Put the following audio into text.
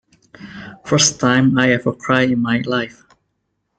"First time I ever cried in my life".